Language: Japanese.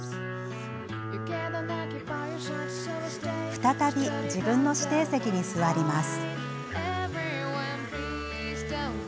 再び、自分の指定席に座ります。